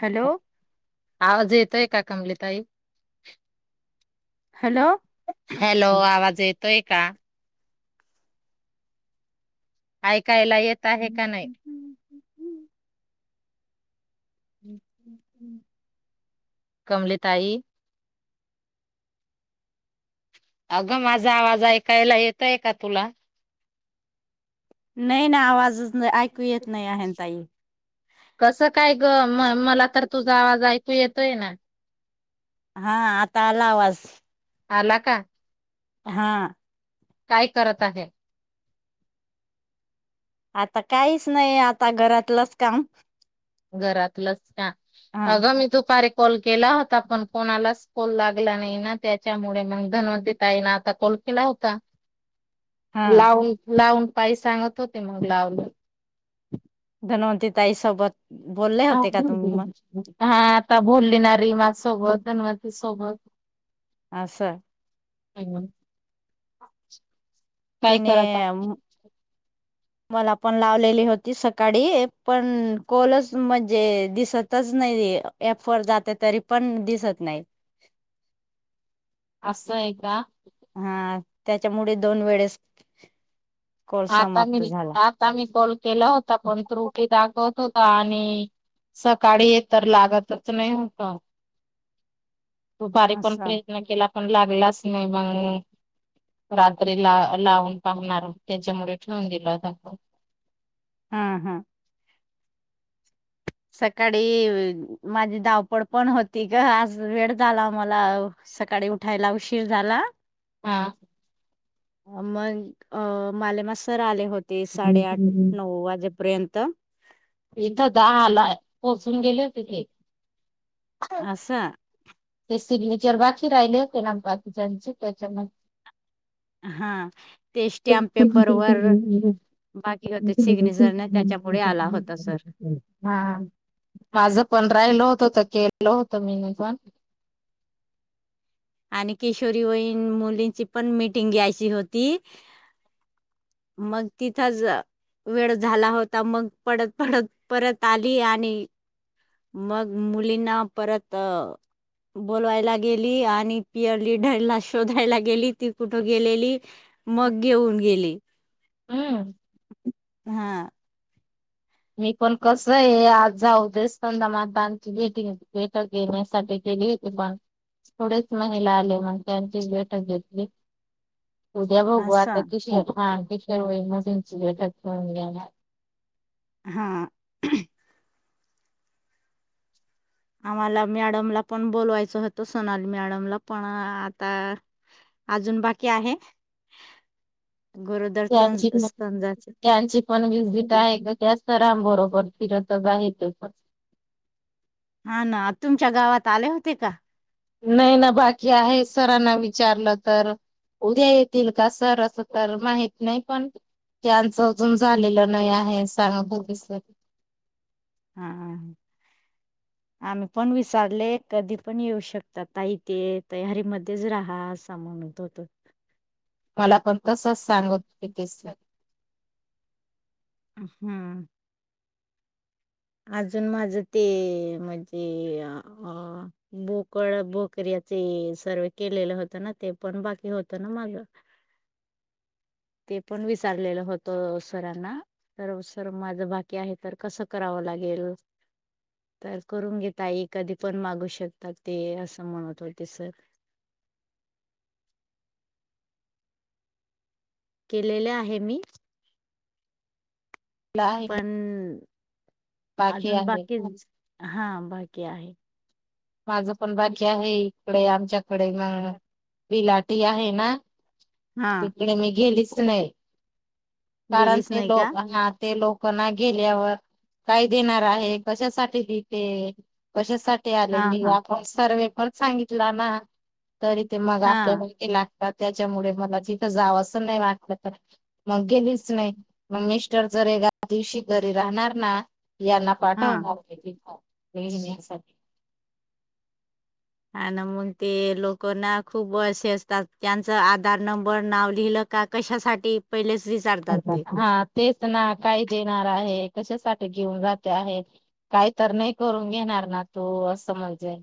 Hello आवाज येतोय का कमलिताई? हॅलो हॅलो आवाज येतोय का? ऐकायला येत आहे का नाही? [inaudible] कमलेताई. अग माझा आवाज ऐकायला येतय का तुला? नाही ना आवाज ऐकू येत नाही आहेन ताई. कस काय ग म मला तर तुझा आवाज ऐकू येतोय ना. हां आता आला आवाज. आला का? हां काय करत आहे? आता काहीच नाही आता घरातलच काम. घरातलच काम. हा अग मी दुपारी कॉल केला होता पण कोणालाच कॉल लागला नाही ना त्याच्यामुळे मग धनवंती ताई ना आता कॉल केला होता हा लावून लावून ताई सांगत होते मग लाव. धनवंती ताई सोबत बोलले होते का तुम्ही मग? हा आता बोललीणारी माझ्या सोबत धनवंती सोबत. आस [unintelligible] काय तिने करत आ- [inaudible] मला पण लावलेली होती सकाळी, पण कोलच म्हणजे दिसत [unintelligible] नाही ॲप वर जाते तरी पण दिसत नाही. असय का? हां त्याच्यामुळे दोन वेळेस कॉल आता समाप्त मी झाला. आता मी कॉल केला होता पण त्रुटी दाखवत होता आणि सकाळी तर लागतच नाही होता. दुपारी पण असं प्रयत्न केला. पण लागलाच नाही मग रात्रीला लावून पाहणार. त्याच्यामुळे ठेवून दिला आता फोन. हां हां सकाळी माझी धावपळ पण होती ग आज वेळ झाला मला. सकाळी उठायला उशीर झाला. हा. अ मन अं मालेमा सर आले होते साडे हम्म. आठ- नऊ वाजेपर्यंत. इथं दहा ला पोहचून गेले होते ते. असं. ते सिंग्नेचेर बाकी राहिले होते ना बाकीच्यांचे त्याच्या [unintelligible] [unintelligible] हा ते स्टॅम्प पेपर वर बाकी होते सिग्नेचरने त्याच्यामुळे आला होता सर हा माझं पण राहिल होतं, तर केलं होत मी पण. आणि किशोरी वयीन मुलींची पण मिटिंग घ्यायची होती. मग तिथंज वेळ झाला होता. मग पडत-पडत परत आली आणि मग मुलींना परत बोलवायला गेली आणि पिअर लीडरला शोधायला गेली. ती कुठं गेलेली मग घेऊन गेली. हम्म. हा. मी पण कसं हे आज जाऊदे स्कंदा माताची भेटी भेठ घेण्यासाठी गेली. [unintelligible] थोडेच महिला आले मग त्यांची बैठक घेतली. उद्या बघु आता असं किशोर हा किशोर वयीन मुलींची बैठक घेऊन घेणार. हा. आम्हाला मॅडमला पण बोलवायचं होतं, सोनाली मॅडमला पण आता अजून बाकी आहे. गरोदर त्यांची, स्तंजाचे त्यांची पण व्हिजिट आहे का सरांबरोबर फिरतच ते पण. हा ना तुमच्या गावात आले होते का? नाही ना बाकी आहे, सरांना विचारलं तर उद्या येतील का सर? असं तर माहित नाही पण त्याचं अजून झालेलं नाही आहे, सांगत होते सर. हं. [inaudible] आम्ही पण विचारले, कधी पण येऊ शकता ताई तेे, तयारी मध्येच राहा अंस म्हणत होते. मला पण तसच सांगत होते ते सर. हम्म. अजून माझं ते म्हणजे अं बोकळ- बोकऱ्या ते सर्व केलेलं होत ना ते पण बाकी होत ना माझं. ते पण विचारलेलं होतं सरांना. अहों सर माझं बाकी आहे, तर कसं करावं लागेल? तर करून घे ताई कधी पण मागू शकतात ते, असं म्हणत होते सर. केलेले आहे मी. आहे पण अजून बाकी, हा बाकी आहे. माझं पण बाकी आहे, इकडे आमच्याकडे अं बिलाटी आहे ना हा. तिकडे मी गेलीच नाही, कारण गेलीच ते नाही का लोकांना ते लोकं ना गेल्यावर काय देणार आहे? कशासाठी देते? कशासाठी हा आलेली हा आपण सर्वे पण सांगितला ना, तरी ते मग हा आपल्याला केला त्याच्यामुळे मला तिथं जावं असं नाही वाटलं तर मग गेलीच नाही, मग मिस्टर जर एका दिवशी घरी राहणार ना यांना हा पाठवनार मी तिथं [unintelligible] आणि मग ते लोकं ना खूप असे असतात त्यांचं आधार नंबर नाव लिहिलं का कशासाठी पहिलेच दि अ हा तेच ना काय देणार आहे? कशासाठी घेऊन जाते आहे? काही तर नाही करून घेणार ना तू? असं म्हणजे.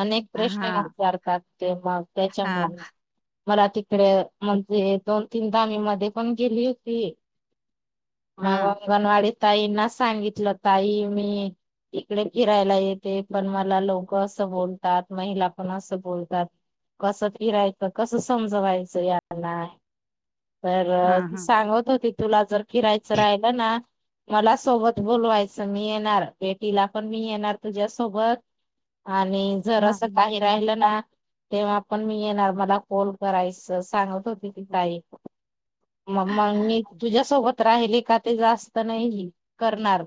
अनेक हा प्रश्न हा विचारतात ते मग हा त्याच्यामुळे. मला तिकडे म्हणजे दोन तीनदा मी मध्ये पण गेली होती. मग हा अंगनवाडीत ताईंना सांगितलं ताई मी इकडे फिरायला येते, पण मला लोकं असं बोलतात महिला पण असं बोलतात. कसं फिरायचं? कसं समजवायचं यांना? तर ती हा सांगत होती तुला जर फिरायचं राहिलं ना मला सोबत बोलवायचं, मी येणार भेटीला पण मी येणार तुझ्यासोबत. आणि जर हा असं काही राहिलं ना, तेव्हा पण मी येणार मला कॉल करायचं सांगत होती ती ताई. मग मग मी तुझ्यासोबत राहिली का ते जास्त नाही हे करणार.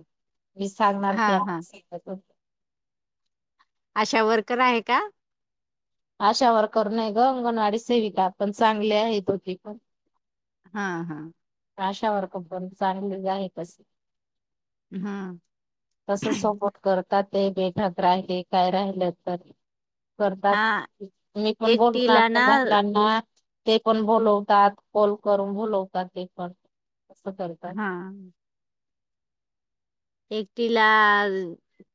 मी सांगणार हा त्या. हा [unintelligible] आशा वर्कर आहे का? आशा वर्कर नाही ग, अंगणवाडी सेविका पण चांगली आहे ती पण. हा हा. आशा वर्कर पण चांगले आहे तसं. हा. तस सपोर्ट करतात ते बैठक राहिले काय राहिलं तर. करतात हा मी पण बोलणार एकटीला त्या ना महिलांना. ते पण बोलवतात, कॉल करून बोलवतात ते पण असं करतात. हा एकटीला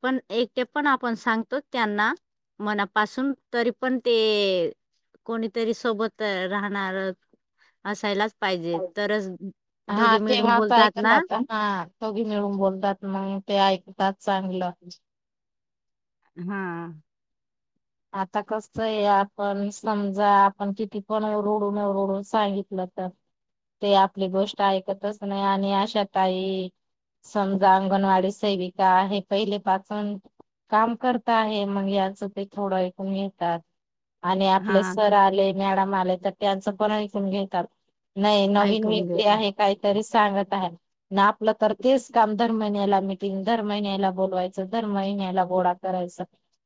पण एकटे पण आपण सांगतो त्यांना. मनापासून तरी पण ते कोणीतरी सोबत राहणार असायलाच पाहिजे, तरच हा दोघे मिळून तेव्हाच बोलतात ना. ऐकतात हा दोघी मिळून बोलतात, मग ते ऐकतात चांगलं. हा. आता कसं आहे आपण समजा आपण किती पण ओरडून ओरडून सांगितलं तर ते आपली गोष्ट ऐकतच नाही आणि आशा ताई समजा अंगणवाडी सेविका आहे पहिलेपासून काम करता आहे मग याचं ते थोडं ऐकून येतात आणि आपले हा सर ते आले मॅडम आले तर त्यांचं पण ऐकून घेतात. नाही नवीन ऐकून व्यक्ती घेतो. आहे काहीतरी सांगत आहे. ना आपलं तर तेच काम दर महिन्याला मिटिंग, दर महिन्याला बोलवायचं, दर महिन्याला गोळा करायचं.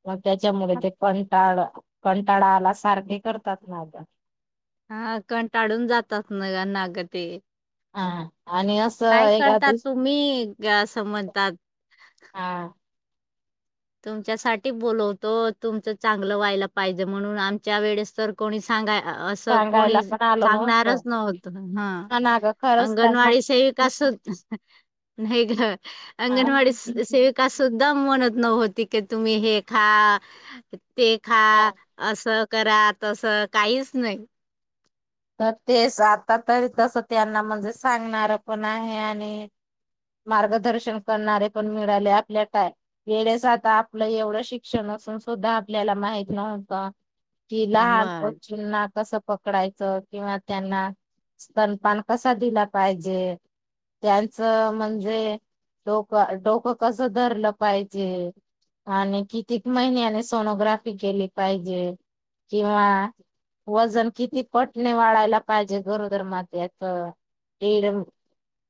मग त्याच्यामुळे ते कंटाळल कंटाळाला सारखे करतात नाही तर. हा कंटाळून जातात न ग ना ग ते. हा आणि अस काय करतात तुम्ही? असं म्हणतात. हा. [inaudible] तुमच्यासाठीठी बोलवतो तुमचं चांगलं व्हायला पाहिजे म्हणून आमच्या वेळेस तर कोणी सांगा. अस सांगायला कोणी पण आलो नव्हतो. सांगणारच नव्हत ह, हा ना ग खरंच ताई अंगणवाडी [inaudible] सेविक अस. नाही ग, हा अंगणवाडी सेविका सुद्धा मणत नव्हत. तिके तुम्ही हे खा, ते खा. हा असं करा, तसं काहीच नाही. तर तेच आता तरी तसं त्यांना म्हणजे सांगणार पण आहे आणि मार्गदर्शन करणारे पण मिळाले आपल्या काय वेळेस आता आपलं एवढं शिक्षण असून सुद्धा. आपल्याला माहित नव्हतं. कि लहान [inaudible] मग वस्ूंना कसं पकडायचं. किंवा त्यांना स्तनपान कसा दिला पाहिजे. त्यांचं म्हणजे डोक डोकं कसं धरलं पाहिजे [inaudible] हे, आणि किती महिन्याने सोनोग्राफी केली पाहिजे किंवा वजन किती पट. [unintelligible] वाढायला पाहिजे गरोदर मातेचे दीड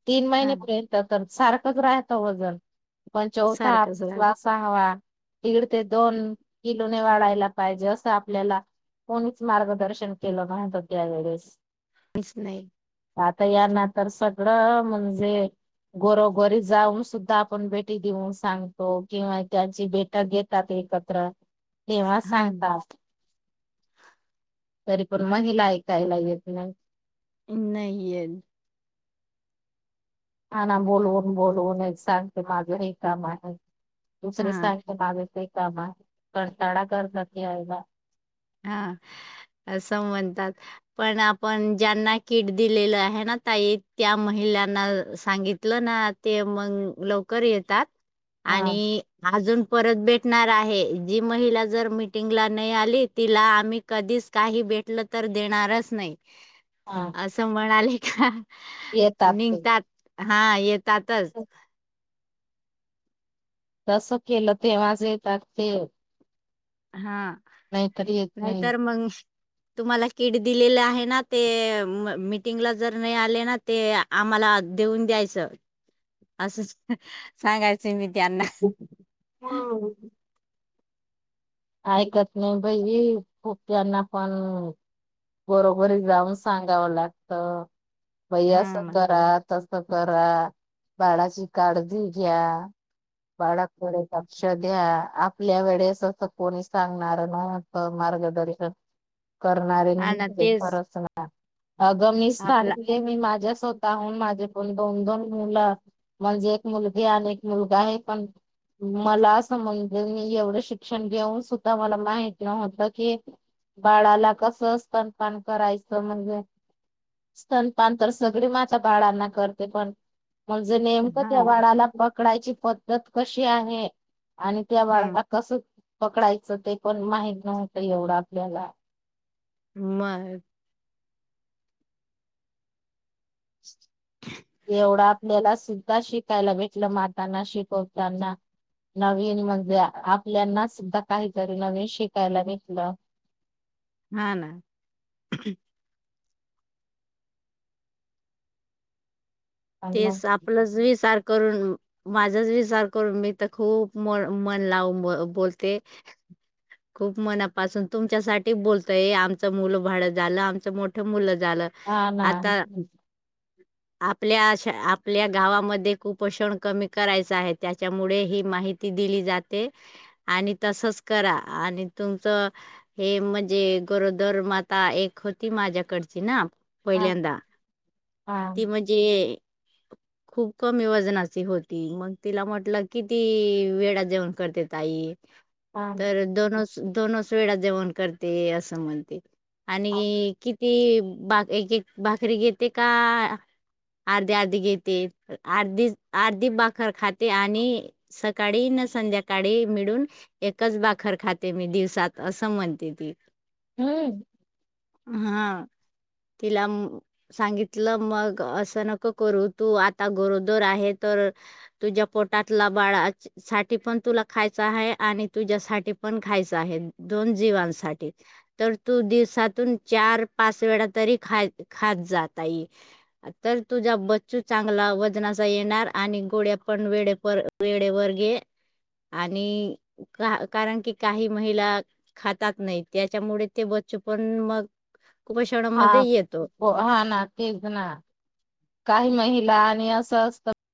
तीन हा महिनेपर्यंत. तर सारखंच राहतं वजन पण [inaudible] सारखंच राह चौथाला [inaudible] सहावा दीड ते दोन किलोने वाढायला पाहिजे असं आपल्याला. कोणीच मार्गदर्शन केलं नव्हतं त्यावेेळेला. काहीच नाही. आता या नंतर सगळं म्हणजे. घरोघरी जाऊन सुद्धा आपण [inaudible] बेटी देऊन सांगतो किंवा त्याची [inaudible] बेटा घेत. त्या ते एकत्र. तेव्हा हा सांगता तरी पण महिला ऐकायला येत नाही. नाहीे येत. हा ना बोलवून, बोलवून एक सांगते माझं हे काम आहे. दुसरी हा सारखं बागेत काम [unintelligible] हा अस म्हणतात. पण आपण ज्यांना किट दिलेलं आहे ना ताई. त्या महिलांना सांगितलं ना. ते मग लवकर येतात. हा आणि अजून परत भेटणार आहे जी महिला जर मिटिंगला नाही आली. तिला आम्ही कधीच काही भेटल तर देणारच नाही. हां. [unintelligible] [inaudible] असं म्हणाले का निघतात हा येतातच हो [unintelligible] [inaudible] तसं केलं [inaudible] ते वाज येत ते. हा नाहीतर येत नाही नाहीतर मग. तुम्हाला किट दिलेले आहे ना ते, मीटिंगला जर नाही आले ना. ते आम्हाला देऊन द्यायचं असं सांगायचं मी. हम त्यांना. [unintelligible] [inaudible] ऐकत नाही बाई खूप त्यांना पण बरोबरी जाऊन सांगावं लागत. बई असं हां, मग. करा. तसं करा, बाळाची काळजी घ्या. बाळा लक्ष द्या आपल्या वेळेस तसं. कोणी सांगणार नव्हत मार्गदर्शन करणारे हां ना, नव्हते तेच परत अगं मी आपला सांगते मी माझ्या स्व स्वतःहून माझे पण दोन, दोन मुलं म्हणजे एक मुलगी आणि एक मुलगा आहे पण मला समजलं, मी एवढं शिक्षण घेऊन सुद्धा मला माहित नव्हत की बाळाला कस स्तनपान करायचं म्हणजे स्तनपान तर सगळी माता बाळांना करते पण म्हणजे नेमकं हां त्या ना. बाळाला पकडायची पद्धत कशी आहे, आणि त्या हां, बाळाला कसं पकडायचं ते पण माहीत नव्हतं एवढं आपल्याला मग एवढा आपल्याला सुद्धा शिकायला भेटलं, मातांना शिकवताना. नवीन म्हणजे आपल्याना सुद्धा काहीतरी नवीन शिकायला भेटल. हा ना. आणि मग तेस आपलंच विचार करून माझाच विचार करून मी तर खूप म, मन लावून बोलते [inaudible] खूप मनापासून, तुमच्यासाठी बोलतय आमचं मुलं बाळ झालं आमचं मोठं मुलं झालं. हा ना. आता आपल्या अशा, आपल्या गावामध्ये कुपोषण कमी करायचं आहे, त्याच्यामुळे ही माहित ती, दिली जाते आणि तसच करा आणि तुमचं हे म्हणजे गरोदर माता एक होती माझ्याकडची ना. हा पहिल्यांदा, हा ती म्हणजे खूप कमी वजनाची होती, मग तिला म्हटलं किती वेडा जेवण करते. ताई, हा तर दोनच, दोनच वेडा जेवण करते असं म्हणते. आणि किती बाक एक, एक भाकरी घेते काळ अर्धी, अर्धी घेते अर्धीच, अर्धी भाकर खाते आणि सकाळी न संध्याकाळी मिडून एकच भाकर खाते मी दिवसात, असं म्हणते ती हम्म. हा, तिला म, सांगितलं मग अस अस नको करू, तू आता गरोदर आहे तर तुझ्या पोटातला बाळाच साठी पण तुला खायच हाय आणि तुझ्यासाठी पण खायच आहे, दोन जीवांनसाठी. तर तू दिवसातून चार- पाच वेळा तरी खा, खात जा ताई. तर तुझा बच्चू चांगला वजनाचा येणार आणि गोळ्या पण वेळेप वेळेवर घे. आणि कारण की काही महिला खातात नाही, त्याच्यामुळे ते बच्चू पण मग हा कुपषणामध्ये येतो. हो, हा ना तेच ना. काही महिला आणि अस असत